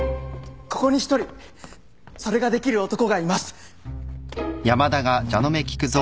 ここに一人それができる男がいます。